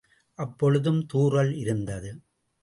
அப்பொழுதும் தூறல் இருந்தது.